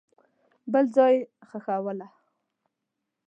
بل ځای یې ښخوله.